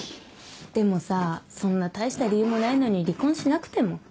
でもさそんな大した理由もないのに離婚しなくても。